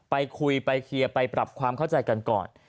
ไปคุยไปเคลียร์ไปปรับความเข้าใจกันก่อน